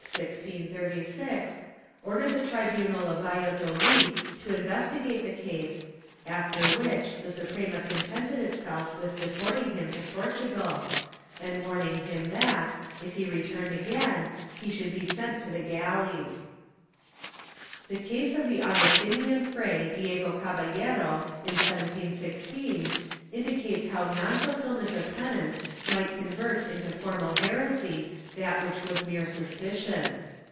I] NON FULFILMENT OF PENANCE 105 December 22, 1636, ordered the tribunal of Valladolid to investi gate the case, after which the Suprema contented itself with deport ing him to Portugal, and warning him that, if he returned again, he should be sent to the galleys/ The case of the Augustinian Fray Diego Caballero, in 1716, indicates how non fulfilment of penance might convert into formal heresy that which was mere suspicion.